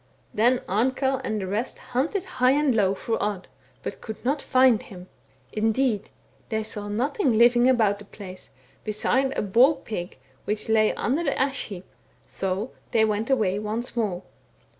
Then Amkell and the rest hunted high and low for Odd, but could not find him ; indeed they saw nothing living about the place, beside a boar pig which lay under the ash heap, so they went away once more.